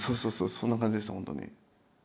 そんな感じでした本当に。